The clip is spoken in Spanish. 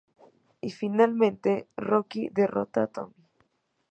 Y finalmente Rocky derrota a Tommy.